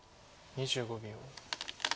２５秒。